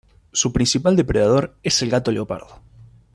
Su principal depredador es el gato leopardo.